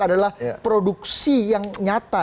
adalah produksi yang nyata